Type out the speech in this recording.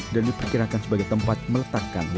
dan diperkirakan sebagai tempat meletakkan ruangan